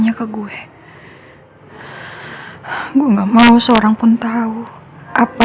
aku gak mau kalau sampai papa penuh penapa